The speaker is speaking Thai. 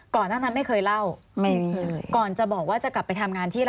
ก่อนจะบอกว่าจะกลับไปทำงานที่อะไร